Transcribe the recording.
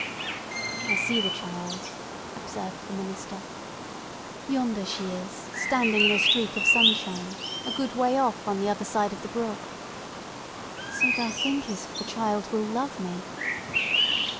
"I see the child," observed the minister. "Yonder she is, standing in a streak of sunshine, a good way off, on the other side of the brook. So thou thinkest the child will love me?"